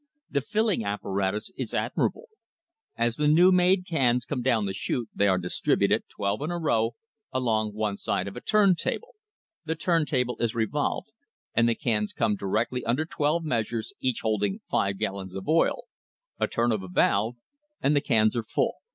The filling apparatus is admirable. As the new made cans come down the chute they are distributed, twelve in a row, along one side of a turn table. The turn table is revolved, and the cans come directly under twelve measures, each holding five gal lons of oil a turn of a valve, and the cans are full.